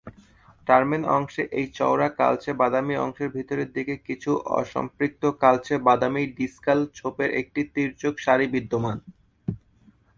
Term end অংশে এই চওড়া কালচে বাদামী অংশের ভিতরের দিকে কিছু অসম্পূর্ণ কালচে বাদামী ডিসকাল ছোপের একটি তীর্যক সারি বিদ্যমান।